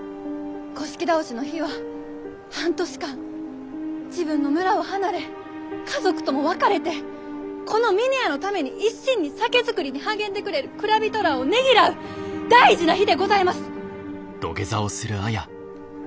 倒しの日は半年間自分の村を離れ家族とも別れてこの峰屋のために一心に酒造りに励んでくれる蔵人らあをねぎらう大事な日でございます！